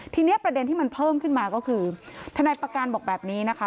ทีนี้ประเด็นที่มันเพิ่มขึ้นมาก็คือทนายประการบอกแบบนี้นะคะ